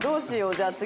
じゃあ次。